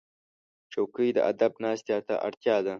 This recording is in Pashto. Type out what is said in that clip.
چوکۍ د ادب ناستې ته اړتیا ده.